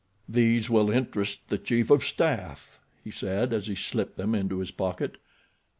"These will interest the chief of staff," he said, as he slipped them into his pocket.